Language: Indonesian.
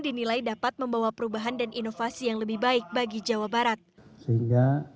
dinilai dapat membawa perubahan dan inovasi yang lebih baik bagi jawa barat sehingga